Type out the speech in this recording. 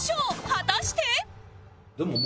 果たして